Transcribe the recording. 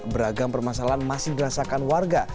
beragam permasalahan masih dirasakan warga